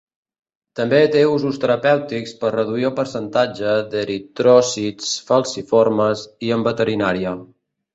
També té usos terapèutics per reduir el percentatge d'eritròcits falciformes i en veterinària.